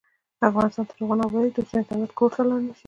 افغانستان تر هغو نه ابادیږي، ترڅو انټرنیټ هر کور ته لاړ نشي.